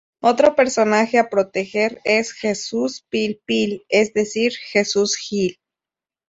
Otro personaje a proteger es Jesús Pil Pil, es decir, Jesús Gil.